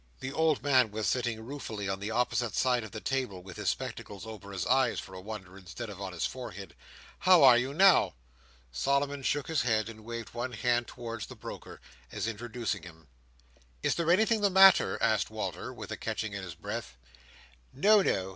The old man was sitting ruefully on the opposite side of the table, with his spectacles over his eyes, for a wonder, instead of on his forehead. "How are you now?" Solomon shook his head, and waved one hand towards the broker, as introducing him. "Is there anything the matter?" asked Walter, with a catching in his breath. "No, no.